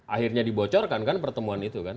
akhirnya dibocorkan kan pertemuan itu kan